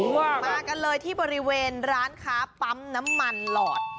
มากันเลยที่บริเวณร้านค้าปั๊มน้ำมันหลอด